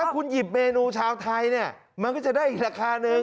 ก็จะได้อีกราคานึง